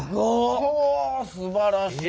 ほうすばらしい！